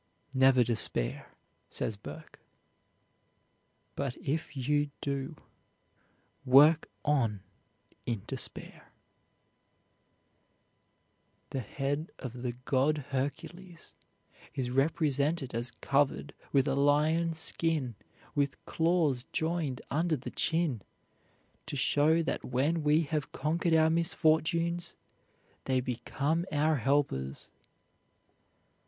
"Never despair," says Burke; "but if you do, work on in despair." The head of the god Hercules is represented as covered with a lion's skin with claws joined under the chin, to show that when we have conquered our misfortunes, they become our helpers.